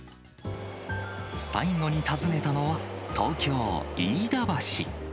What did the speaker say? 最後に訪ねたのは、東京・飯田橋。